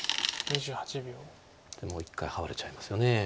もう一回ハワれちゃいますよね。